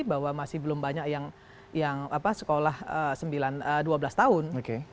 bahwa masih belum banyak yang sekolah dua belas tahun